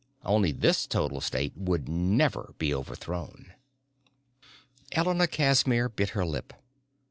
Only this total state could never be overthrown!" Elena Casimir bit her lip.